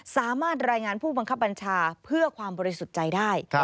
สามารถรายงานผู้บังคับบัญชาเพื่อความบริสุทธิ์ใจได้